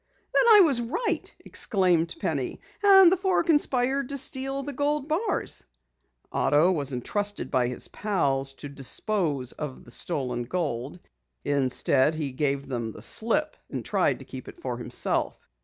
"Then I was right!" exclaimed Penny. "And the four conspired to steal the gold bars?" "Otto was entrusted by his pals to dispose of the stolen gold. Instead, he gave them the slip and tried to keep it for himself.